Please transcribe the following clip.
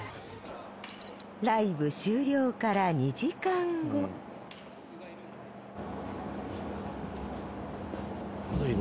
ライブ終了から２時間後まだいるの？